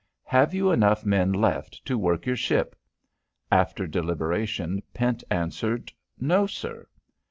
"Have you enough men left to work your ship?" After deliberation, Pent answered: "No, sir."